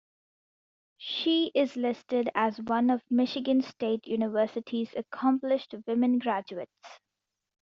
She is listed as one of Michigan State University's Accomplished Women Graduates.